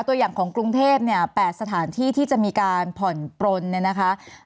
ตัวอย่างของกรุงเทพเนี่ย๘สถานที่ที่จะมีการผ่อนปลนเนี่ยนะคะ